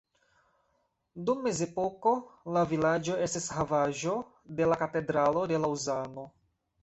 Dum mezepoko la vilaĝo estis havaĵo de la katedralo de Laŭzano.